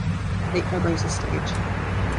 Late fibrosis stage.